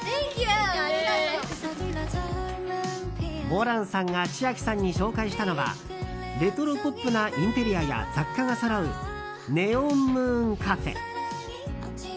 モランさんが千秋さんに紹介したのはレトロポップなインテリアや雑貨がそろうネオンムーンカフェ。